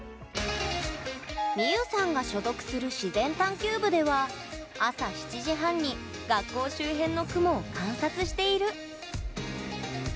みゆさんが所属する自然探求部では朝７時半に学校周辺の雲を観察している。